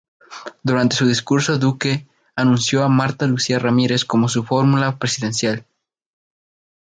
Durante su discurso Duque anunció a Marta Lucía Ramírez como su fórmula presidencial.